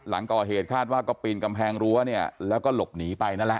หลังก่อเหตุคาดว่าก็ปีนกำแพงรั้วเนี่ยแล้วก็หลบหนีไปนั่นแหละ